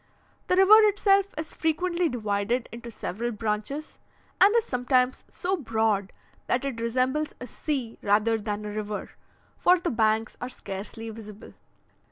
The river itself is frequently divided into several branches, and is sometimes so broad that it resembles a sea rather than a river, for the banks are scarcely visible.